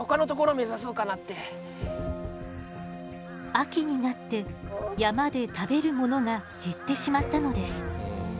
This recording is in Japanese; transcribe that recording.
秋になって山で食べるものが減ってしまったのです。